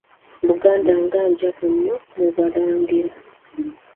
Buganda nga njavu nnyo mu balangira.